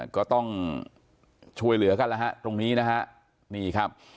ก็ต้องช่วยเหลือกันแล้วฮะตรงนี้นะฮะนี่ครับ